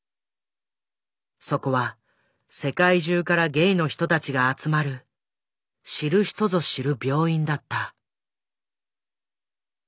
そこは世界中からゲイの人たちが集まる知る人ぞ知る病院だった。